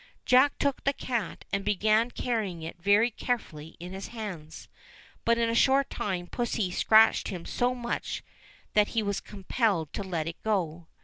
Jack took the cat, and began carrying j it very carefully in his hands, but in a short time pussy j scratched him so much that he was compelled to let it go.